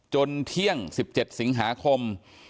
เที่ยง๑๗สิงหาคม